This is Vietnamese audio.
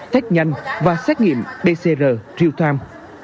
thách nhanh và xét nghiệm dcr riêu tham